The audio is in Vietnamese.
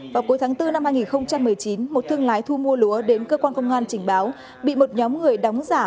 vào cuối tháng bốn năm hai nghìn một mươi chín một thương lái thu mua lúa đến cơ quan công an trình báo bị một nhóm người đóng giả